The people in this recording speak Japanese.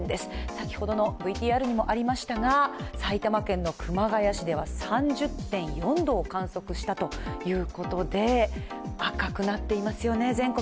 先ほどのＶＴＲにもありましたが埼玉県の熊谷市では３０．４度を観測したということで赤くなっていますよね、全国。